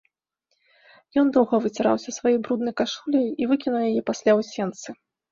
Ён доўга выціраўся сваёй бруднай кашуляй і выкінуў яе пасля ў сенцы.